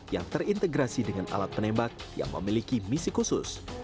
yang terintegrasi dengan alat penembak yang memiliki misi khusus